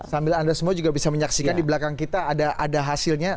sambil anda semua juga bisa menyaksikan di belakang kita ada hasilnya